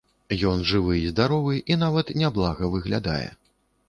Ён жывы і здаровы, і нават няблага выглядае.